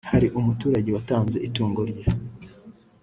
Hari umuturage watanze itungo rye